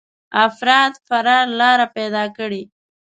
افراد فرار لاره پيدا کړي.